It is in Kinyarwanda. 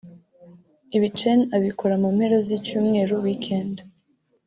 Ibi Chen abikora mu mpera z’icyumweru (weekend)